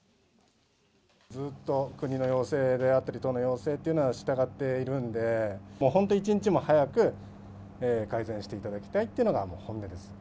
ずっと国の要請であったり、都の要請っていうのは従っているんで、本当に一日も早く改善していただきたいっていうのが本音です。